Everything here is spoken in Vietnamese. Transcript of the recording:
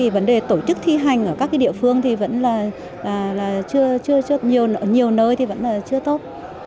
vấn đề tổ chức thi hành ở các địa phương thì vẫn là chưa nhiều nơi thì vẫn là chưa tốt